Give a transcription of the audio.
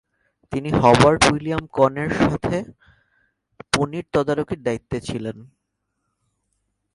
তিনি Herbert William Conn এর সাথে ‘পনির তদারকি’র দায়িত্বে ছিলেন।